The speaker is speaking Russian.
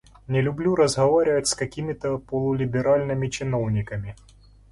Не люблю разговаривать с какими-то полулиберальными чиновниками.